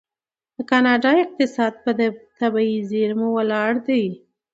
د کاناډا اقتصاد په طبیعي زیرمو ولاړ دی.